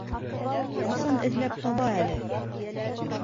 Ҡасан эҙләп таба әле?